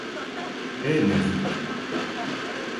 Е, не знате!